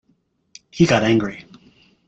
He got angry.